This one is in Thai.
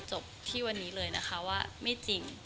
จบที่วันนี้เลยนะคะว่าไม่จริง